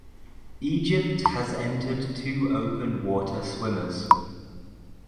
Egypt has entered two open water swimmers.